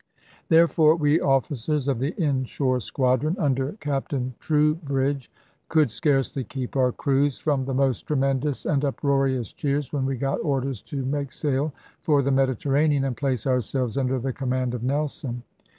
Therefore we officers of the inshore squadron, under Captain Troubridge, could scarcely keep our crews from the most tremendous and uproarious cheers when we got orders to make sail for the Mediterranean, and place ourselves under the command of Nelson.